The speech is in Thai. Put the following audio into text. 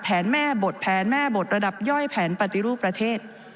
แม่บทแผนแม่บทระดับย่อยแผนปฏิรูปประเทศ